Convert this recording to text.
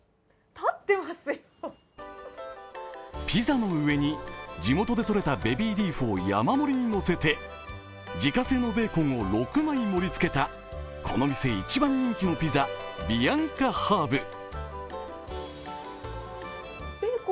ピザの上に地元でとれたベビーリーフを山盛りにのせて自家製のベーコンを６枚もり付けたこの店一番人気のピザビアンカハーブ。